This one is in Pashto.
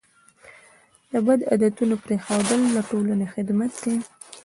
د بد عادتونو پرېښودل د ټولنې خدمت دی.